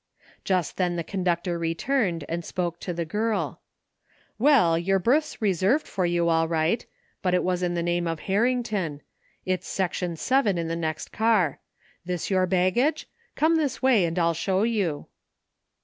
Just then the conductor returned and spoke to the girL " Well, your berth's reserved for you all right, but it was in the name of Harrington. It's section seven in the next car. This your baggage? Come this way and I'll show you."